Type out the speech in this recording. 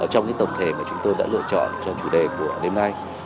trong tổng thể mà chúng tôi đã lựa chọn cho chủ đề của đêm nay